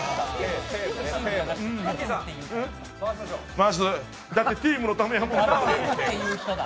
回す、だってチームのためやもん。